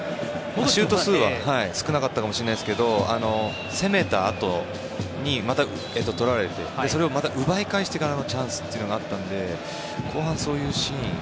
シュート数は少なかったかもしれないですけど攻めたあとに、またとられてそれをまた奪い返してからのチャンスというのがあったので後半、そういうシーン。